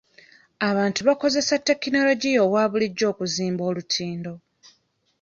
Abantu baakozesa tekinologiya owa bulijjo okuzimba olutindo.